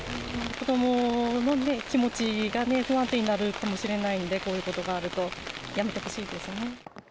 子どものね、気持ちがね、不安定になるかもしれないので、こういうことがあると、やめてほしいですね。